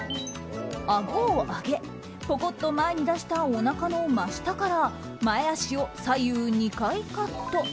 あごを上げぽこっと前に出したおなかの真下から前足を左右２回カット。